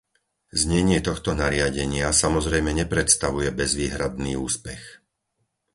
Znenie tohto nariadenia samozrejme nepredstavuje bezvýhradný úspech.